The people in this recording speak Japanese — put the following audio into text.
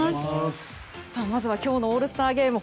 まずは今日のオールスターゲーム